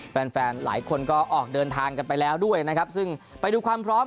แฟนแฟนหลายคนก็ออกเดินทางกันไปแล้วด้วยนะครับซึ่งไปดูความพร้อม